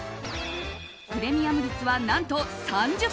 プレミアム率は何と３０％。